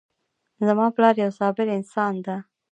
زما پلار یو صابر انسان ده